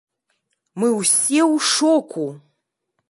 Мы ўсе ў шоку!